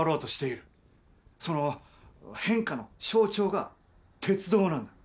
その変化の象徴が鉄道なんだ。